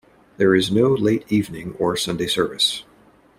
There is no late evening or Sunday service.